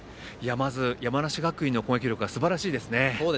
まず山梨学院の攻撃力がすばらしいですね。